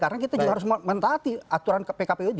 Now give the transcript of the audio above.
karena kita juga harus mentaati aturan pek kpu itu